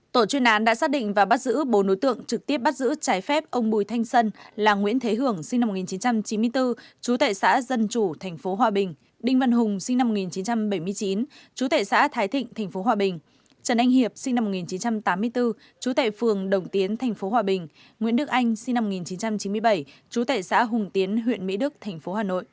tổ chuyên án đã xác định và bắt giữ bốn đối tượng trực tiếp bắt giữ trái phép ông bùi thanh sân là nguyễn thế hưởng sinh năm một nghìn chín trăm chín mươi bốn chú tệ xã dân chủ tp hòa bình đinh văn hùng sinh năm một nghìn chín trăm bảy mươi chín chú tệ xã thái thịnh tp hòa bình trần anh hiệp sinh năm một nghìn chín trăm tám mươi bốn chú tệ phường đồng tiến tp hòa bình nguyễn đức anh sinh năm một nghìn chín trăm chín mươi bảy chú tệ xã hùng tiến huyện mỹ đức tp hà nội